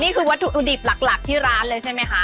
วัตถุดิบหลักที่ร้านเลยใช่ไหมคะ